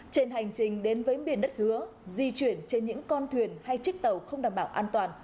trên hành trình đến với miền đất hứa di chuyển trên những con thuyền hay chiếc tàu không đảm bảo an toàn